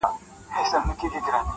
زما پۀ زړۀ بلاندي د تورو ګزارونه كېدل,